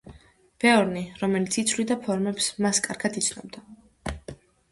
ბეორნი, რომელიც იცვლიდა ფორმებს, მას კარგად იცნობდა.